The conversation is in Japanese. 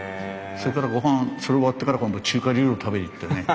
それからごはんそれ終わってから今度中華料理を食べに行ってね